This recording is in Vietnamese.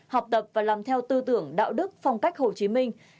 học tập và làm theo tư tưởng đạo đức phong cách hồ chí minh